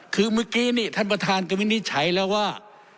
คือเมื่อกี้นี่ท่านประธานก็วินิจฉัยแล้วว่า